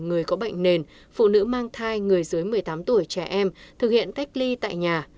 người có bệnh nền phụ nữ mang thai người dưới một mươi tám tuổi trẻ em thực hiện cách ly tại nhà